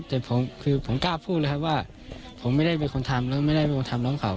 แต่ผมคือผมกล้าพูดเลยครับว่าผมไม่ได้เป็นคนทำแล้วไม่ได้เป็นคนทำน้องเขา